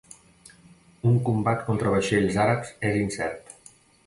Un combat contra vaixells àrabs és incert.